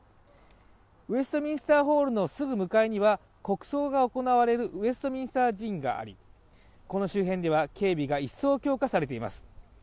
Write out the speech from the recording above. ウェストミンスターホールのすぐ向かいには国葬が行われるウェストミンスター寺院がありこの周辺では警備が一層強化されています